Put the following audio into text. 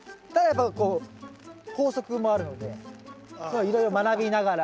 ただやっぱこう法則もあるのでいろいろ学びながら。